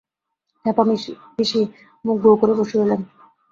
ক্ষেমাপিসি মুখ গোঁ করে বসে রইলেন।